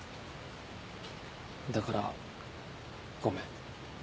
だからごめん。